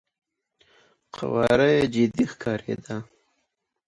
قواره يې جدي ښکارېده.